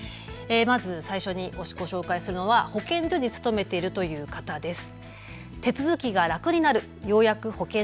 最初にご紹介するのは保健所に勤めているという方です。